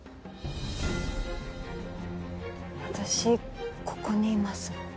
私ここにいます。